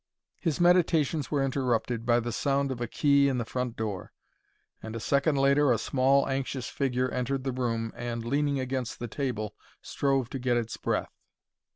His meditations were interrupted by the sound of a key in the front door, and a second later a small, anxious figure entered the room and, leaning against the table, strove to get its breath.